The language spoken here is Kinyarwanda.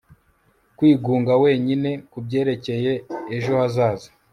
Kwigunga wenyine kubyerekeye ejo hazaza